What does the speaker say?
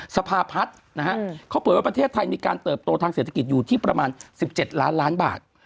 สภาพัฒน์นะฮะเขาเผยว่าประเทศไทยมีการเติบโตทางเศรษฐกิจอยู่ที่ประมาณ๑๗ล้านล้านบาท